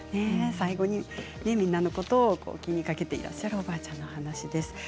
最後にみんなのことを気にかけていらっしゃるおばあちゃまの話でした。